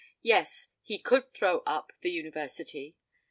Yes, he could throw up the University.